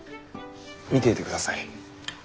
見ていてください。